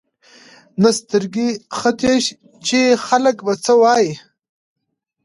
ته سترګې ختې چې خلک به څه وايي.